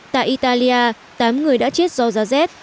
tại italia tám người đã chết do giá rét